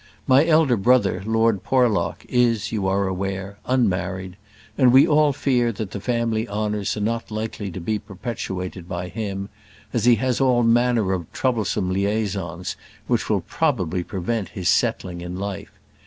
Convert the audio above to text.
My elder brother, Lord Porlock, is, you are aware, unmarried; and we all fear that the family honours are not likely to be perpetuated by him, as he has all manner of troublesome liaisons which will probably prevent his settling in life.